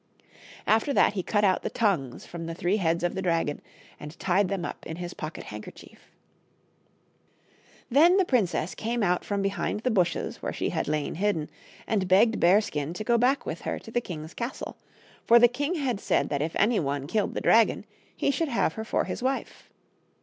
After that he cut out the tongues from the three heads of the dragon, and tied them up in his pocket handkerchief. Then the princess came out from behind the bushes where she had lain hidden, and begged Bearskin to go back with her to the king's castle, for the king had said that if any one killed the dragon he should have her for his wife.